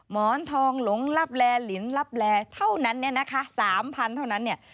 หมอนทองหลงลับแลลินลับแลเท่านั้นเนี่ยนะคะ๓๐๐เท่านั้นเนี่ย